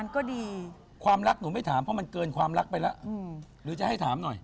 ก็ดีความรักหนูไม่ถามเพราะมันเกินความรักไปแล้วหรือจะให้ถามหน่อย